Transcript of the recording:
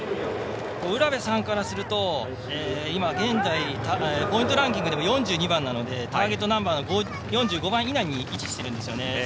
卜部さんからすると、現在ポイントランキングでも４２番なのでターゲットナンバーの４５番以内に位置してるんですよね。